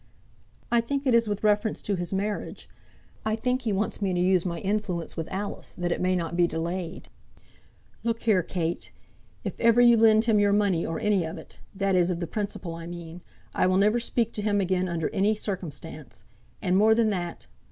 "I think it is with reference to his marriage. I think he wants me to use my influence with Alice that it may not be delayed." "Look here, Kate; if ever you lend him your money, or any of it, that is, of the principal I mean, I will never speak to him again under any circumstance. And more than that!